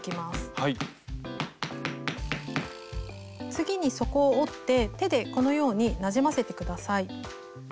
次に底を折って手でこのようになじませて下さい。